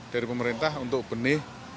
dari pemerintah untuk benih